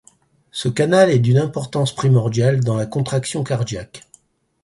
Ce canal est d’une importance primordiale dans la contraction cardiaque.